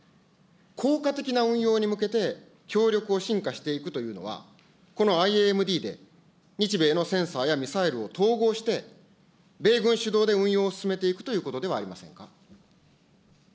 効果的な運用に向けて、協力を深化していくというのは、このＩＡＭＤで、日米のセンサーやミサイルを統合して、米軍主導で運用を進めていくということではありませんか。